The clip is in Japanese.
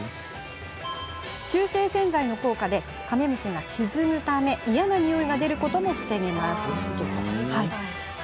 中性洗剤の効果でカメムシが沈むため嫌なにおいが出ることも防げます。